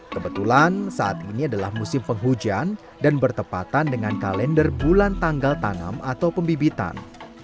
kebetulan saat ini adalah musim penghujan dan bertepatan dengan kalender bulan tanggal tanam atau pembibitan